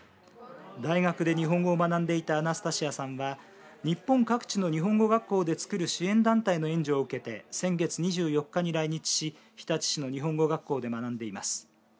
大学で日本語を学んでいたアナスタシアさんは日本各地の日本語学校でつくる支援団体の援助を受けて先月２４日に来日し日立市の日本語学校で学んでいます。